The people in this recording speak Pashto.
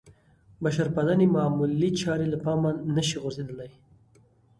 بشرپالنې معمولې چارې له پامه نه شي غورځېدلی.